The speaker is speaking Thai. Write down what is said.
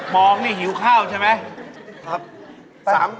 มองนี่หิวข้าวใช่ไหมครับ